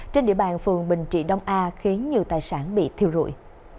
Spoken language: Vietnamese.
trên địa bàn phường bình trị đông a khiến nhiều tài sản bị thiêu rụi